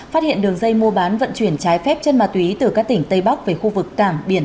phát hiện đường dây mua bán vận chuyển trái phép chân ma túy từ các tỉnh tây bắc về khu vực cảng biển